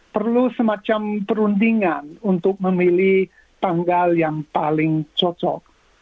perlu semacam perundingan untuk memilih tanggal yang paling cocok